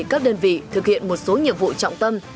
các đơn vị thực hiện một số nhiệm vụ trọng tâm